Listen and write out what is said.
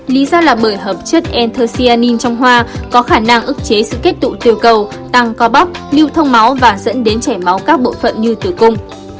lý do là bởi hợp chất anthocyanin trong hoa có khả năng ức chế sự kết tụ tiêu cầu tăng co bóc lưu thông máu và dẫn đến chảy máu các bộ phận như tử cung